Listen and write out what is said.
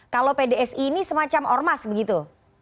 kalau pdsi ini semacam ormas begitu